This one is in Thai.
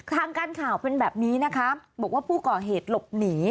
ทางการข่าวเป็นแบบนี้นะคะบอกว่าผู้ก่อเหตุหลบหนี